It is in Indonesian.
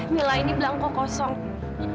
mila ini belakangnya